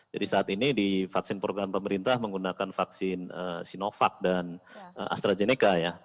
jadi saat ini di vaksin program pemerintah menggunakan vaksin sinovac dan astrazeneca ya